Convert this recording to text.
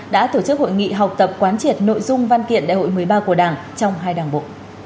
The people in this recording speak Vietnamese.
đã tổ chức hội nghị học tập quán triệt nội dung văn kiện đại hội một mươi ba của đảng trong hai đảng bộ